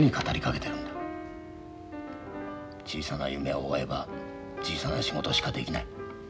小さな夢を追えば小さな仕事しかできない。